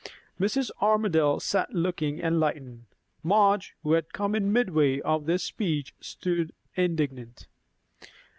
Mrs. Armadale sat looking unenlightened. Madge, who had come in midway of this speech, stood indignant.